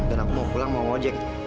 dan aku mau pulang mau mojek